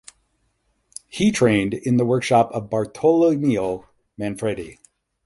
He trained in the workshop of Bartolomeo Manfredi.